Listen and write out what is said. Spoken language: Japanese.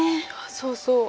そうそう。